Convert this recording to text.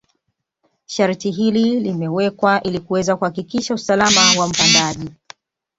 Sharti hili limewekwa ili kuweza kuhakikisha usalama wa mpandaji